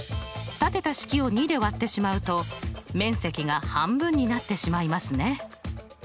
立てた式を２で割ってしまうと面積が半分になってしまいますね。